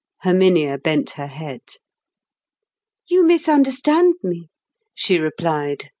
Herminia bent her head. "You misunderstand me," she replied.